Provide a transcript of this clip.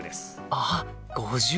あっ５０。